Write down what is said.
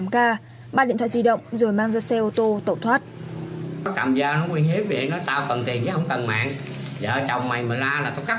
một mươi tám k ba điện thoại di động rồi mang ra xe ô tô tẩu thoát